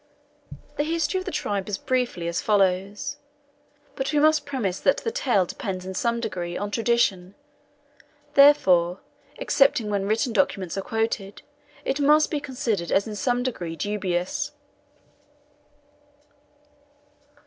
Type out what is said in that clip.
The history of the tribe is briefly as follows But we must premise that the tale depends in some degree on tradition; therefore, excepting when written documents are, quoted, it must be considered as in some degree dubious.